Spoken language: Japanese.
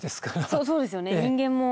そうですよね人間も。